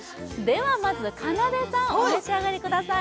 まず、かなでさん、お召し上がりください。